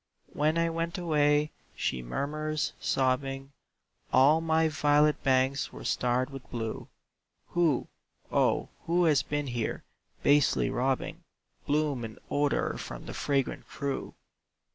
"When I went away," she murmurs, sobbing, "All my violet banks were starred with blue; Who, O, who has been here, basely robbing Bloom and odor from the fragrant crew?